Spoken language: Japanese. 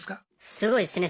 すごいですね